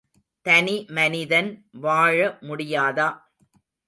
தனிமனிதன் வாழ முடியாதா?